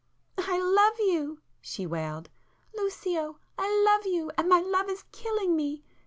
"I love you!" she wailed—"Lucio, I love you, and my love is killing me!